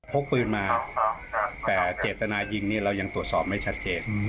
พกปืนมาแต่เจตนายิงเนี่ยเรายังตรวจสอบไม่ชัดเจน